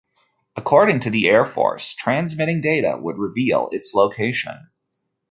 According to the Air Force, transmitting data would reveal its location.